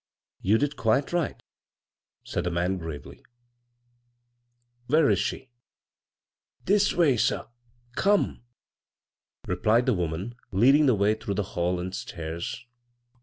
"You did quite right," sMd the man, gravely. " Where is she ?" "This way, sir. Come," replied the woman, leading the way through the hall and stairs.